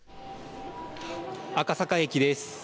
赤坂駅です。